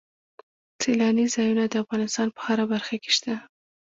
سیلاني ځایونه د افغانستان په هره برخه کې شته.